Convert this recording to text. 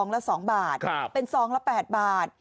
๒ละ๒บาทเป็น๒ละ๘บาท